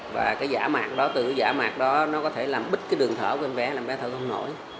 và giả mạc đó có thể làm bích đường thở của em bé làm bé thở không nổi